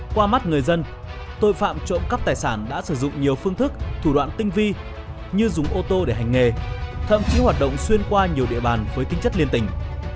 qua mắt người dân tội phạm trộm cắp tài sản đã sử dụng nhiều phương thức thủ đoạn tinh vi như dùng ô tô để hành nghề thậm chí hoạt động xuyên qua nhiều địa bàn với tinh chất liên tình